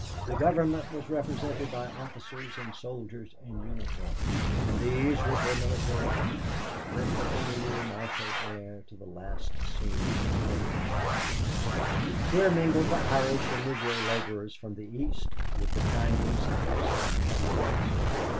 The Government was represented by officers and soldiers in uniform; and these, with their military band, lent the familiar martial air to the last scene of the great enterprise. Here mingled the Irish and Negro laborers from the east with the Chinese and Mexican from the west.